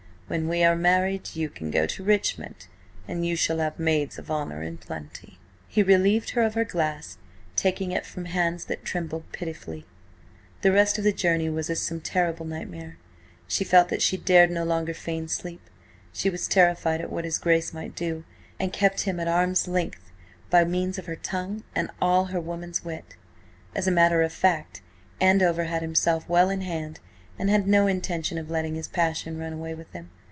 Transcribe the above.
When we are married you can go to Richmond, and you shall have maids of honour in plenty." He relieved her of her glass, taking it from hands that trembled pitifully. The rest of the journey was as some terrible nightmare. She felt that she dared no longer feign sleep. She was terrified at what his Grace might do, and kept him at arm's length by means of her tongue and all her woman's wit. As a matter of fact, Andover had himself well in hand, and had no intention of letting his passion run away with him.